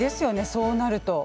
そうなると。